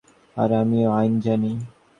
আর আমিও আইন জানি।